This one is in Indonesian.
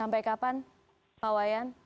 sampai kapan pak wayan